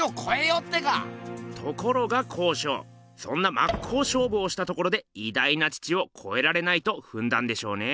ところが康勝そんなまっこうしょうぶをしたところでいだいな父をこえられないとふんだんでしょうね。